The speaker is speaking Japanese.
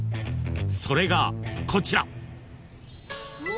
［それがこちら］